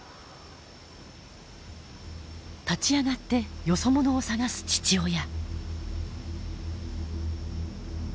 立ち上がってよそ者を探す父親。